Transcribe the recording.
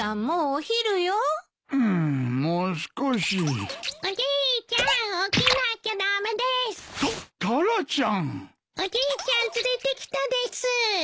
おじいちゃん連れてきたです。